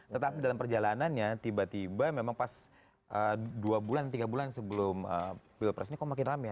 tetapi dalam perjalanannya tiba tiba memang pas dua bulan tiga bulan sebelum bill press ini kok makin ramai ya